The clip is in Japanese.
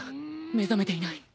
目覚めていない。